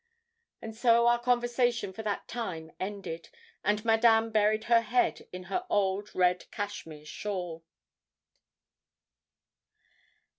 And so our conversation for that time ended, and Madame buried her head in her old red cashmere shawl.